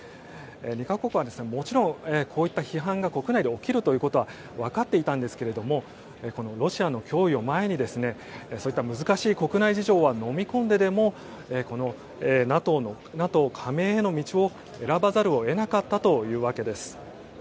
２か国はもちろんこういった批判が国内で起きるということは分かっていたんですけれどロシアの脅威を前にそういった難しい国内事情はのみ込んででもこのＮＡＴＯ加盟への道を選ばざるを得なかったというわけです。